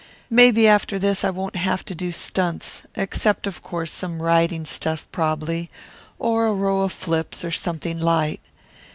Maybe after this I won't have to do stunts, except of course some riding stuff, prob'ly, or a row of flips or something light.